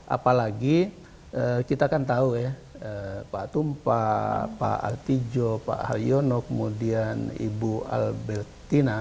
apalagi kita kan tahu ya pak tumpah pak artijo pak haryono kemudian ibu albertina